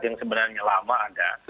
yang sebenarnya lama ada